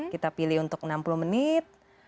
kita pilih untuk enam puluh menit